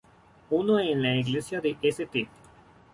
Uno en la iglesia de St.